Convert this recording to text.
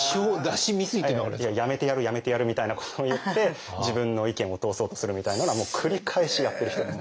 「辞めてやる辞めてやる」みたいなことを言って自分の意見を通そうとするみたいなのはもう繰り返しやってる人です。